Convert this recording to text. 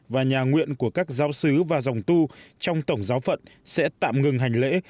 và nhà nguyện của các giáo sứ và dòng tu trong tổng giáo phận sẽ tạm ngừng hành lễ